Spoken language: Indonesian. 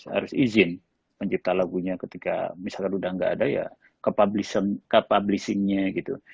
harus izin pencipta lagunya ketika misalkan udah gak ada ya ke publishingnya gitu